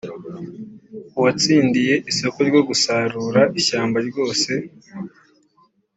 uwatsindiye isoko ryo gusarura ishyamba ryose